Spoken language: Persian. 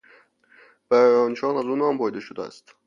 برای آن شغل از او نام برده شده است.